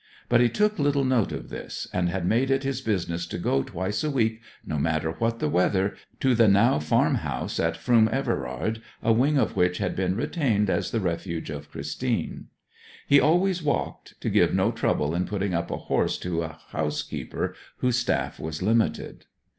But he took little note of this, and had made it his business to go twice a week, no matter what the weather, to the now farmhouse at Froom Everard, a wing of which had been retained as the refuge of Christine. He always walked, to give no trouble in putting up a horse to a housekeeper whose staff was limited.